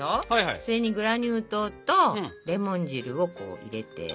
それにグラニュー糖とレモン汁を入れて。